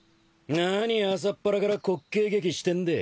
なに朝っぱらから滑稽劇してんでぇ。